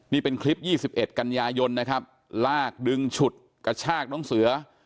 นี่เป็นคลิป๒๑กันยายนนะครับลากดึงฉุดกระชากน้องเสือ